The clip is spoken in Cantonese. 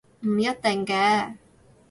唔一定嘅